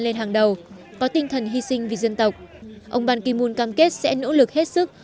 lên hàng đầu có tinh thần hy sinh vì dân tộc ông ban kim mun cam kết sẽ nỗ lực hết sức